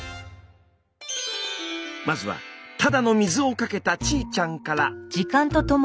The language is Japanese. まずはただの水をかけたちーちゃんから。